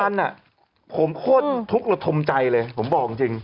ทุกวันน่ะผมโคตรทุกข์แล้วทมใจเลยผมบอกจริง